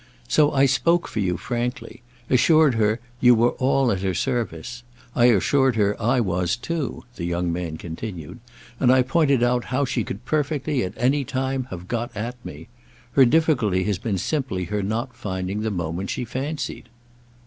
So I spoke for you frankly—assured her you were all at her service. I assured her I was too," the young man continued; "and I pointed out how she could perfectly, at any time, have got at me. Her difficulty has been simply her not finding the moment she fancied."